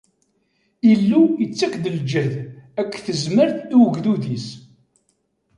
Illu ittak-d lǧehd akked tezmert i ugdud-is.